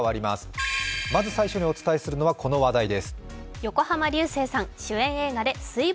まず最初にお伝えするのは、この話題です。